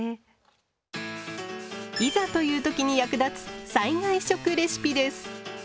いざという時に役立つ「災害食レシピ」です。